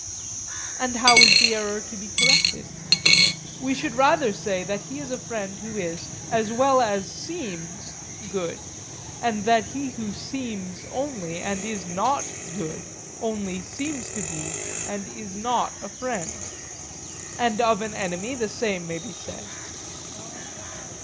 And how is the error to be corrected? We should rather say that he is a friend who is, as well as seems, good; and that he who seems only, and is not good, only seems to be and is not a friend; and of an enemy the same may be said.